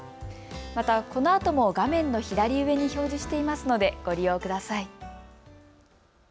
また、このあとも画面の左上に表示していますのでご利用ください。